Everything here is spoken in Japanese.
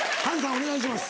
お願いします。